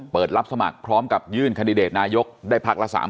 เปิดรับสมัครพร้อมกับยื่นคันดิเดตนายกได้พักละ๓๐๐